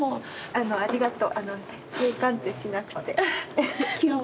あのありがとう。